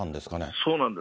そうなんです。